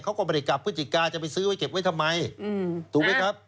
เขาก็ไม่ได้กลับพฤศจิกาจะไปซื้อไว้เก็บไว้ทำไมถูกไหมครับ